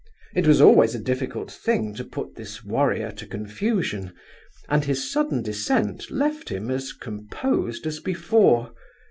It was always a difficult thing to put this warrior to confusion, and his sudden descent left him as composed as before.